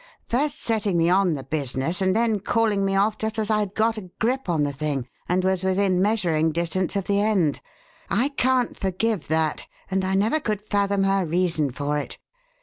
"First setting me on the business, and then calling me off just as I had got a grip on the thing and was within measuring distance of the end. I can't forgive that; and I never could fathom her reason for it.